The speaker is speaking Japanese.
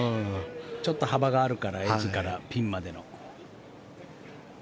ちょっと幅があるからエッジからピンまでの。